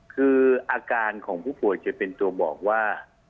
คืออาการของผู้ป่วยจะเป็นตัวบอกว่า